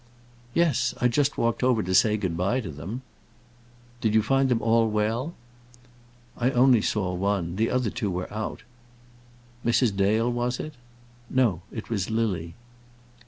"Yes: I just walked over to say good by to them." "Did you find them all well?" "I only saw one. The other two were out." "Mrs. Dale, was it?" "No; it was Lily."